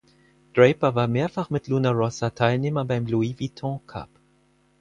Draper war mehrfach mit Luna Rossa Teilnehmer beim Louis Vuitton Cup.